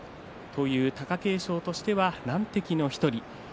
貴景勝としては難敵の１人。